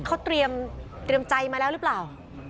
เขาเตรียมใจมาแล้วหรือเปล่า